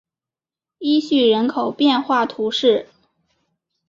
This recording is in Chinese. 伊叙人口变化图示